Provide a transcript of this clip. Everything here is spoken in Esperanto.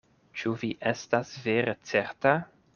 Ĉu vi estas vere certa?